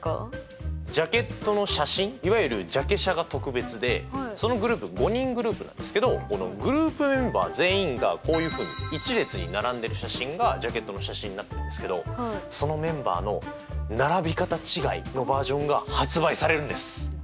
ジャケットの写真いわゆるジャケ写が特別でそのグループ５人グループなんですけどグループメンバー全員がこういうふうに１列に並んでる写真がジャケットの写真になってるんですけどそのメンバーの並び方違いのバージョンが発売されるんです！